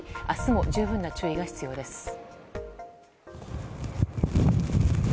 明日も十分な注意が必要です。